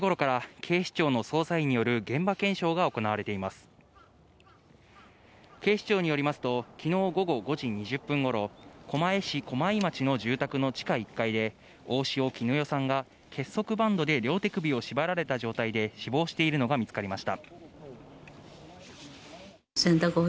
警視庁によりますと昨日午後５時２０分頃、狛江市駒井町の住宅の地下１階で大塩衣与さんが結束バンドで両手首を縛られた状態で死亡しているのが見つかりました。